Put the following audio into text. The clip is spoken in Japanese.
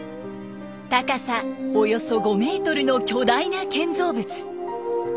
高さおよそ５メートルの巨大な建造物。